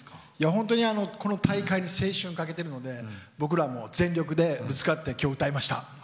本当にこの大会に青春かけてるので僕らも全力でぶつかって今日は歌いました。